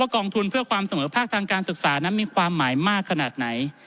กองทุนเพื่อความเสมอภาคทางการศึกษานั้นมีความหมายมากขนาดไหน